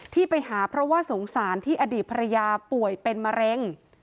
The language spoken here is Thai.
ที่ไปหาเพราะว่าสงสารที่อดีตภรรยาป่วยเป็นมะเร็ง